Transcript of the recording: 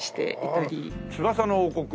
『翼の王国』。